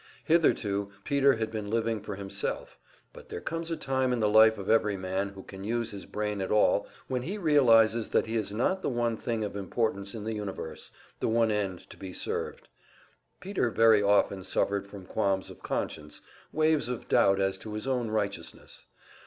Hitherto Peter had been living for himself; but there comes a time in the life of every man who can use his brain at all when he realizes that he is not the one thing of importance in the universe, the one end to be served. Peter very often suffered from qualms of conscience, waves of doubt as to his own righteousness.